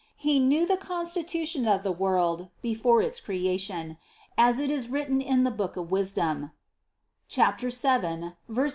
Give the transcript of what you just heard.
He knew the constitution of the world before its creation, as it is written in the book of Wisdom (7, 18 Seq.).